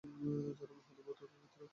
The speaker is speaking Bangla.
যারা মহৎ ও পূতপবিত্র।